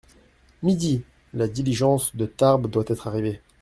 Midi !… la diligence de Tarbes doit être arrivée.